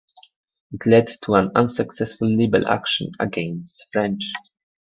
It led to an unsuccessful libel action against French.